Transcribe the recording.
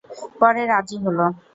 পরে রাজি হল।